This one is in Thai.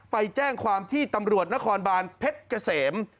ไปแจ้งความที่ตำรวจนครบานเพชรเกษม